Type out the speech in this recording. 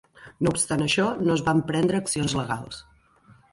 No obstant això, no es van prendre accions legals.